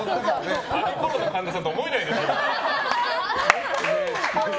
あのころの神田さんとは思えないよね。